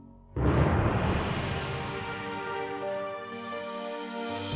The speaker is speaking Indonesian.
sampai jumpa lagi